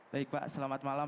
baik pak selamat malam